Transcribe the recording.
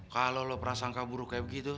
kalau lo prasangka buruk kayak begitu